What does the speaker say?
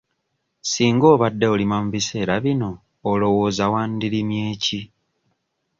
Singa obadde olima mu biseera bino olowooza wandirimye ki?